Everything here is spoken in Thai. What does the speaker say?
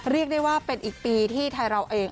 เรียกได้ว่าเป็นอีกปีที่ไทยเราเอง